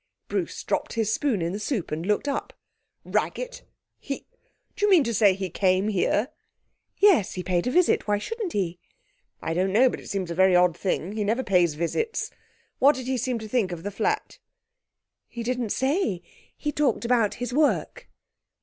Bruce dropped his spoon in the soup and looked up. 'Raggett? He do you mean to say he came here?' 'Yes. He paid a visit. Why shouldn't he?' 'I don't know, but it seems a very odd thing. He never pays visits. What did he seem to think of the flat?' 'He didn't say. He talked about his work.'